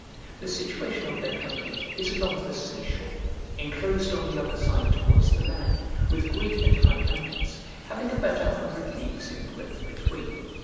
The situation of their country is along the sea shore, enclosed on the other side towards the land, with great and high mountains, having about a hundred leagues in breadth between.